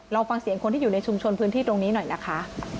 ฟังเสียงคนที่อยู่ในชุมชนพื้นที่ตรงนี้หน่อยนะคะ